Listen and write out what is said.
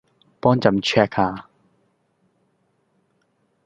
幫朕 check 吓